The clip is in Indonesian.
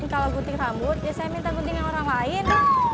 kalau gunting rambut ya saya minta gunting yang orang lain